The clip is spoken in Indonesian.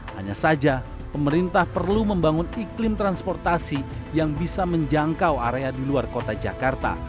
hanya saja pemerintah perlu membangun iklim transportasi yang bisa menjangkau area di luar kota jakarta